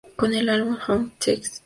Con el álbum "Halloween Sex N Vegas".